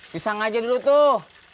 pisang aja dulu tuh